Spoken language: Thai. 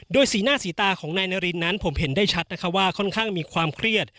สีหน้าสีตาของนายนารินนั้นผมเห็นได้ชัดนะคะว่าค่อนข้างมีความเครียด